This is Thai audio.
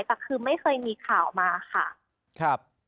แต่คือไม่เคยมีข่าวมาค่ะ